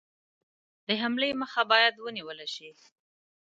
حملې مخه باید ونیوله شي.